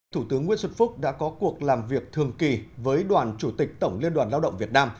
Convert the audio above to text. thủ tướng nguyễn xuân phúc đã có cuộc làm việc thường kỳ với đoàn chủ tịch tổng liên đoàn lao động việt nam